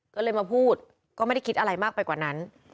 ก็เลยมาพูดก็ไม่ได้คิดอะไรมากไปกว่านั้น